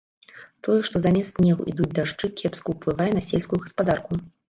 Тое, што замест снегу ідуць дажджы, кепска ўплывае на сельскую гаспадарку.